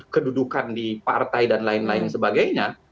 kedudukan di partai dan lain lain sebagainya